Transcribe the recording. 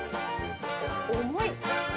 重い。